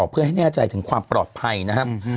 เพื่อให้แน่ใจถึงความปลอดภัยนะครับ